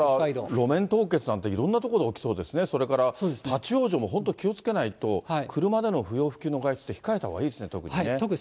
路面凍結なんていろんな所で起きそうですね、立往生も本当気をつけないと、車での不要不急の外出って控えたほうがいいですね、特に。